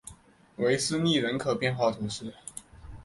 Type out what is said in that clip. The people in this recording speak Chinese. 韦斯利人口变化图示